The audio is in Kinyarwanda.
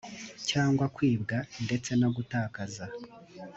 cyangwa kwibwa ndetse no gutakaza